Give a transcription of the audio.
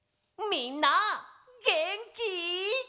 みんなげんき？